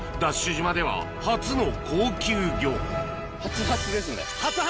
島では初の高級魚初初？